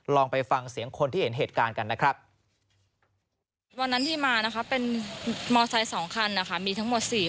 ลองไปฟังเสียงคนที่เห็นเหตุการณ์กันนะครับ